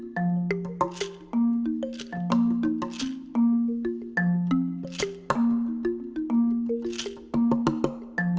dan menjadi yang paling diminati oleh wisatawan